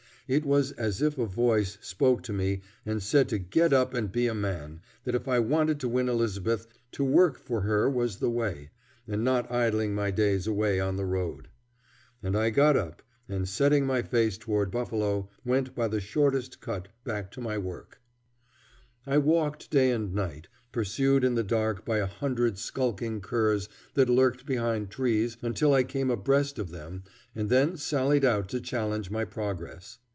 It was as if a voice spoke to me and said to get up and be a man; that if I wanted to win Elizabeth, to work for her was the way, and not idling my days away on the road. And I got right up, and, setting my face toward Buffalo, went by the shortest cut back to my work. [Illustration: Our Old Pastor.] I walked day and night, pursued in the dark by a hundred skulking curs that lurked behind trees until I came abreast of them and then sallied out to challenge my progress.